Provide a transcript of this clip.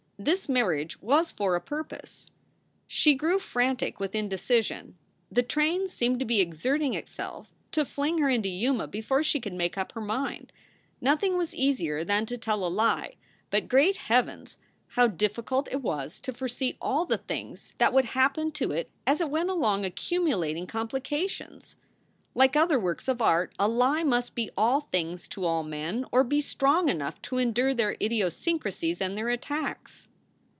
This marriage was for a purpose. She grew frantic with indecision. The train seemed to be exerting itself to fling her into Yuma before she could make up her mind. Nothing was easier than to tell a lie, but, great Heavens ! how difficult it was to foresee all the things that would happen to it as it went along accumulating com plications. Like other works of art, a lie must be all things to all men or be strong enough to endure their idiosyncrasies and their attacks.